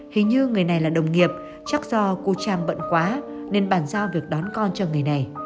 hình như người này là đồng nghiệp chắc do cô trang bận quá nên bàn giao việc đón con cho người này